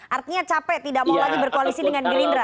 artinya capek tidak mau lagi berkoalisi dengan gerindra